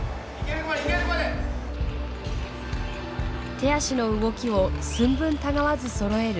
手足の動きを寸分たがわずそろえる